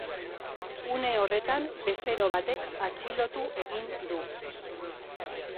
Une horretan, bezero batek atxilotu egin du.